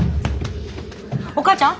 お母ちゃん？